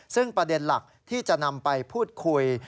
ซึ่งประเด็นหลักที่จะนำไปพูดคุยไปบอกต่อก็ก่อก็คือ